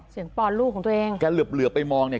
เสียงปอนลูกของตัวเองแกเหลือไปมองเนี่ย